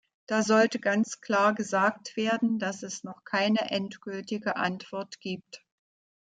Da sollte ganz klar gesagt werden, dass es noch keine endgültige Antwort gibt.